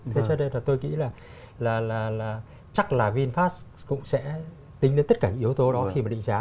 thế cho nên là tôi nghĩ là chắc là vinfast cũng sẽ tính đến tất cả những yếu tố đó khi mà định giá